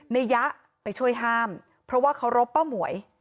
ยะไปช่วยห้ามเพราะว่าเคารพป้าหมวย